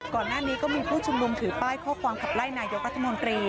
ก่อนหน้านี้ก็มีผู้ชุมนุมถือป้ายข้อความขับไล่นายกรัฐมนตรี